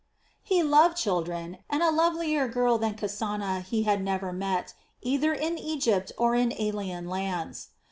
He loved children, and a lovelier girl than Kasana he had never met, either in Egypt or in alien lands.